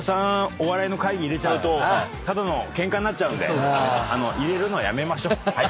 お笑いの会議入れるとただのケンカになっちゃうんで入れるのやめましょう。